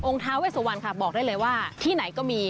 ท้าเวสวรรณค่ะบอกได้เลยว่าที่ไหนก็มี